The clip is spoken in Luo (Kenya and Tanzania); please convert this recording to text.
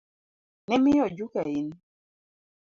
Nimiyo ojuka in.